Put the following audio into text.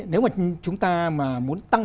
nếu mà chúng ta mà muốn tăng